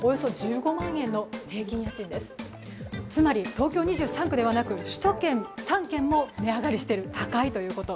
東京２３区ではなく、首都圏３県も値上がりしてる、高いということ。